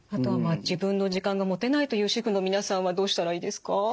自分の時間が持てないという主婦の皆さんはどうしたらいいですか？